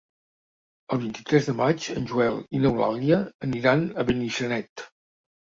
El vint-i-tres de maig en Joel i n'Eulàlia aniran a Benissanet.